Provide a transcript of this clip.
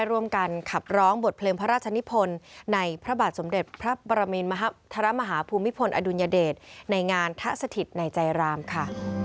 ร่วมกันขับร้องบทเพลงพระราชนิพลในพระบาทสมเด็จพระปรมินทรมาฮาภูมิพลอดุลยเดชในงานทะสถิตในใจรามค่ะ